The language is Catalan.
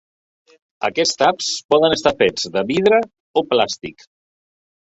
Aquests taps poden estar fets de vidre o plàstic.